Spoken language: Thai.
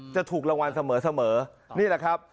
จะถูกรางวัลเสมอนี่แหละครับ